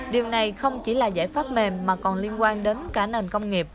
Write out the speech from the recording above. điều này không chỉ là giải pháp mềm mà còn liên quan đến cả nền công nghiệp